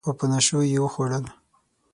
او په نشو یې وخوړل